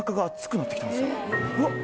「うわっ！